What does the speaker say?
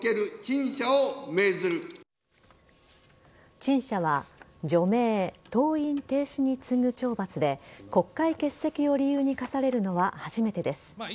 陳謝は除名登院停止に次ぐ懲罰で国会欠席を理由に科されるのは初めてです。